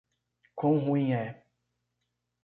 Quão ruim é